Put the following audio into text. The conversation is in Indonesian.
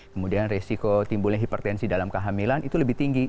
kemudian resiko timbulnya hipertensi dalam kehamilan itu lebih tinggi